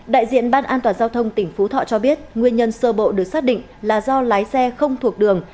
đại diện ban an toàn giao thông tỉnh phú thọ cho biết nguyên nhân sơ bộ được xác định là do lái xe không thuộc đường